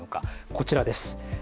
こちらです。